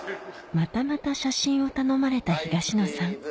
またまた写真を頼まれた東野さん